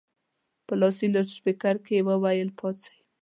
په لاسي لوډسپیکر کې یې وویل پاڅئ.